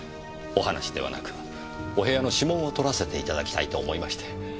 お話ではなくお部屋の指紋を採らせて頂きたいと思いまして。